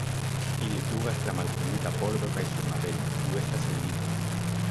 Ili flugas tra malfermita pordo kaj sur Mabel, kiu estas en lito.